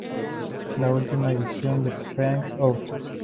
La última edición de "Freak Out!